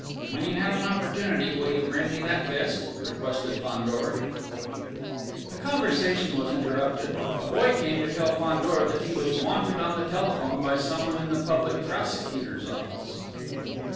"When you have an opportunity, will you bring me that list?" requested Fandor. The conversation was interrupted. A boy came to tell Fandor that he was wanted on the telephone by someone in the Public Prosecutor's Office.